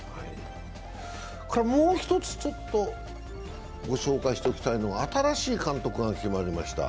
もう１つ、ご紹介しておきたいのは新しい監督が決まりました。